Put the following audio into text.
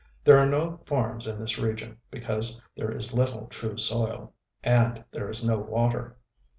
There are no farms in this region, because there is little true soil; and there is no water.